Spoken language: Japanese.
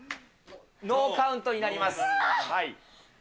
ノーカウントになります。